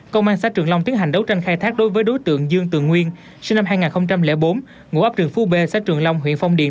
công an xã trường long tiến hành đấu tranh khai thác đối với đối tượng dương tường nguyên sinh năm hai nghìn bốn ngụ ấp trường phú b xã trường long huyện phong điền